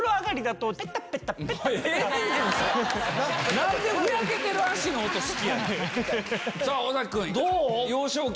何でふやけてる足の音好きやねん！